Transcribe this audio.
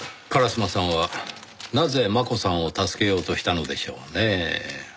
烏丸さんはなぜ真子さんを助けようとしたのでしょうねぇ？